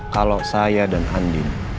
kalau saya dan andin